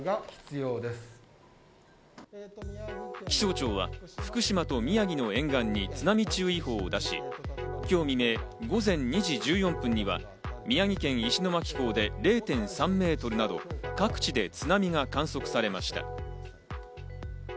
気象庁は福島と宮城の沿岸に津波注意報を出し、今日未明、午前２時１４分には宮城県石巻港で０．３メートルなど、各地で津波が観測されました。